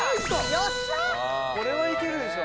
よっしゃこれはいけるでしょ